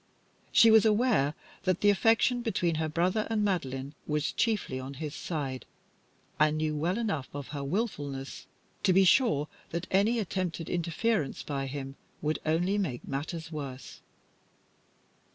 She was aware that the affection between her brother and Madeline was chiefly on his side, and knew enough of her wilfulness to be sure that any attempted interference by him would only make matters worse.